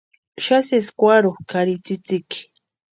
Xani sesi kwaurhukʼa ari tsïtsïki.